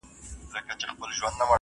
په کلو یې کورته غل نه وو راغلی